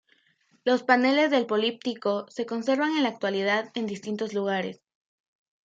Los paneles del políptico se conservan en la actualidad en distintos lugares.